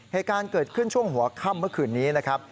เหตุการณ์เกิดขึ้นช่วงหัวค่ำเมื่อคืนนี้นะครับ